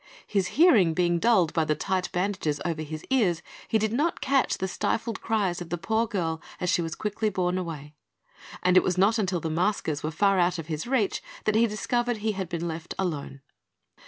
His hearing being dulled by the tight bandages over his ears, he did not catch the stifled cries of the poor girl as she was quickly borne away; and it was not until the maskers were far out of his reach that he discovered he had been left alone.